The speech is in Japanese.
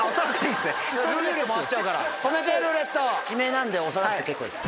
なんで押さなくて結構です。